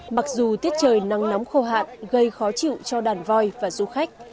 mặc dù tiết trời nắng nóng khô hạn gây khó chịu cho đàn voi và du khách